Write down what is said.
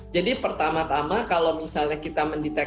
jadi pertama tama kalau misalnya kita mencari ojek online